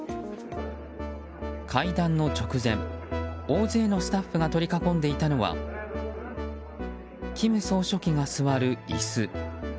会談の直前、大勢のスタッフが取り囲んでいたのは金総書記が座る椅子。